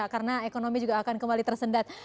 karena ekonomi juga akan kembali tersendat